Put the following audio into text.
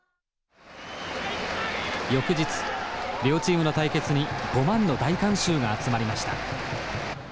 翌日両チームの対決に５万の大観衆が集まりました。